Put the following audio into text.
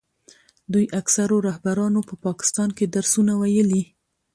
دوی اکثرو رهبرانو په پاکستان کې درسونه ویلي.